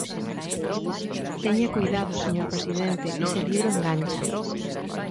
Teña coidado, señor presidente, ese libro engancha.